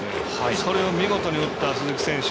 それを見事に打った鈴木選手。